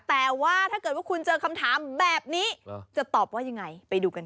แต่ว่าถ้าเกิดว่าคุณเจอคำถามแบบนี้จะตอบว่ายังไงไปดูกันค่ะ